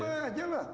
sama aja lah